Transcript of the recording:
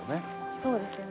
そうですよね。